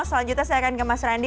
selanjutnya saya akan ke mas randy